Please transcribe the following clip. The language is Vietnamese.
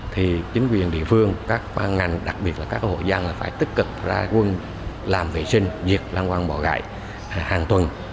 thì chính quyền địa phương các ngành đặc biệt là các hội gia phải tích cực ra quân làm vệ sinh diệt lan quang bỏ gãy hàng tuần